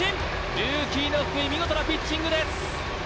ルーキーの福井見事なピッチングです